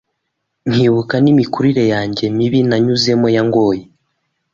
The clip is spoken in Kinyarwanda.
nkibuka n’imikurire yanjye mibi nanyuzemo yangoye,